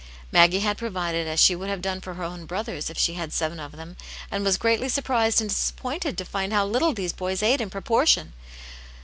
Maggie had provided as she would have done for her owil J)rothers, if she had seven of them, and was greatly surprised and disappointed to find how little these boys ate in proportion.